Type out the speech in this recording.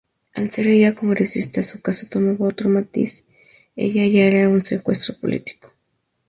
Al ser ella congresista su caso tomaba otro matiz: era ya un secuestro político.